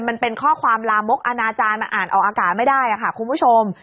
มันเป็นข้อความลามกอนาจารย์มันอ่านออกอากาศไม่ได้ค่ะคุณผู้ชม